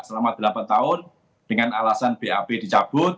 selama delapan tahun dengan alasan bap dicabut